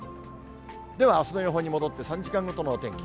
では、あすの予報に戻って、３時間ごとのお天気。